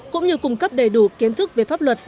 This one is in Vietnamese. cũng như cung cấp đầy đủ kiến thức về pháp luật